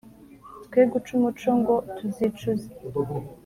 Twe guca umuco ngo tuzicuze